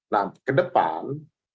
nah ke depan